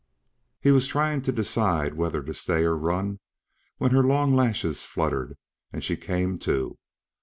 He was trying to decide whether to stay or run, when her long lashes fluttered and she came to.